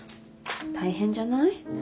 大変じゃない？